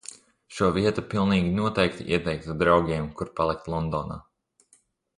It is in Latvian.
Šo vietu pilnīgi noteikti ieteiktu draugiem, kur palikt Londonā.